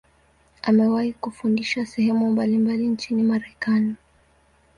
Amewahi kufundisha sehemu mbalimbali nchini Marekani.